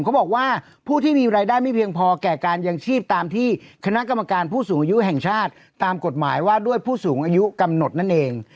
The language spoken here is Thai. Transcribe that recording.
เขาบอกว่าผู้ที่มีรายได้ไม่เพียงพอแก่การยังชีพตามที่คณะกรรมการผู้สูงอายุแห่งชาติตามกฎหมายว่าด้วยผู้สูงอายุกำหนดนั่นเอง